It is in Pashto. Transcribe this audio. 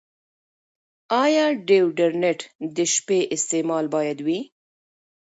ایا ډیوډرنټ د شپې استعمال باید وي؟